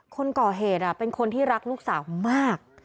คนก่อเหตุเป็นคนที่รักลูกสาวมาก